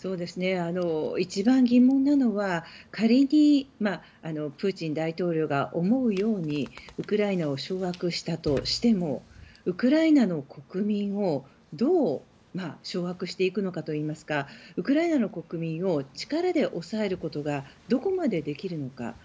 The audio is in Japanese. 一番疑問なのは仮にプーチン大統領が思うようにウクライナを掌握したとしてもウクライナの国民をどう掌握していくのかといいますかウクライナの国民を力で抑えることがどこまでできるのか。